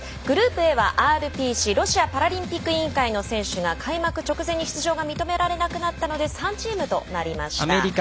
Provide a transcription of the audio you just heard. グループＡはＲＰＣ＝ロシアパラリンピック委員会の選手が開幕直前に出場が認められなくなったので３チームとなりました。